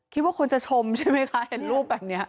คิดว่าคนจะชมใช่ไหมคะเห็นรูปแบบนี้